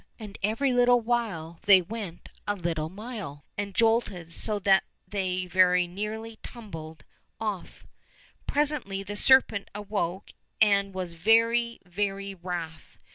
And every little while they went a little mile, and jolted so that they very nearly tumbled off. Presently the serpent awoke and was very very wrath.